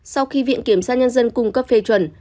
sau khi viện kiểm sát nhân dân cung cấp phê chuẩn